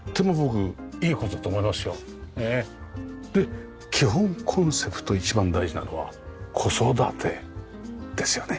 で基本コンセプト一番大事なのは子育てですよね。